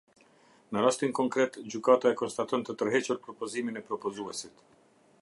Në rastin konkret, gjykata e konstaton të tërhequr propozimin e propozuesit.